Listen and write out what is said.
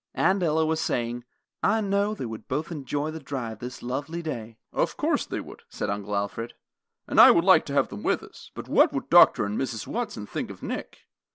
Aunt Ella was saying, "I know they would both enjoy the drive this lovely day." "Of course they would," said Uncle Alfred, "and I would like to have them with us, but what would Dr. and Mrs. Watson think of Nick?